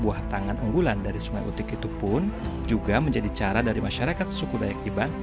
buah tangan unggulan dari sungai utik itu pun juga menjadi cara dari masyarakat suku dayak iban